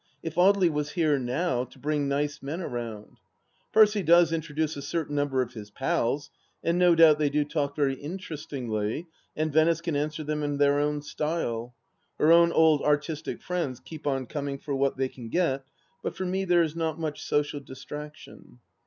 If Audely was here now, to bring nice men around I Percy does intro duce a certain number of his pals, and no doubt they do talk very interestingly, and Venice can answer them in their own style. Her own old artistic friends keep on coming for what they can get, but for me there is not much social distraction.